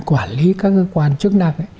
quản lý các cơ quan chức năng